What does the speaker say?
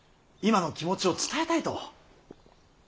今の気持ちを伝えたいと。